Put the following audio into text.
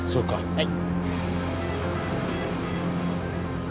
はい。